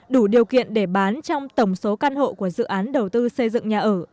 đủ điều kiện để bán trong tổng số căn hộ của dự án đầu tư xây dựng nhà ở